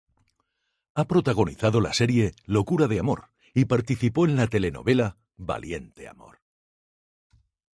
Ha protagonizado la serie "Locura de amor" y participó en la telenovela "Valiente amor.